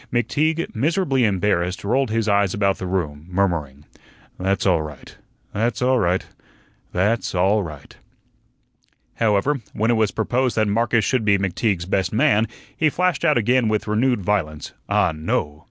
McTeague, miserably embarrassed, rolled his eyes about the room, murmuring, "That's all right that's all right that's all right." However, when it was proposed that Marcus should be McTeague's best man, he flashed out again with renewed violence. Ah, no!